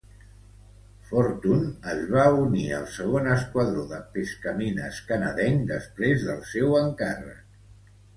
"Fortune" es va unir al Segon Esquadró de Pescamines Canadenc després del seu encàrrec.